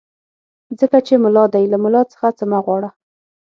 ځکه چې ملا دی له ملا څخه څه مه غواړه.